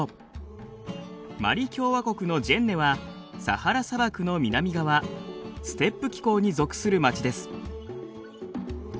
マリ共和国のジェンネはサハラ砂漠の南側ステップ気候に属する町です。